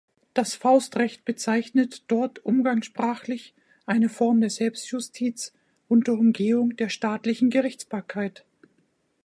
Das Faustrecht bezeichnet dort umgangssprachlich eine Form der Selbstjustiz unter Umgehung der staatlichen Gerichtsbarkeit.